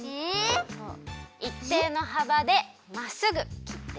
いっていのはばでまっすぐ切ってます！